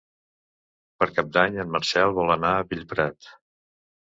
Per Cap d'Any en Marcel vol anar a Bellprat.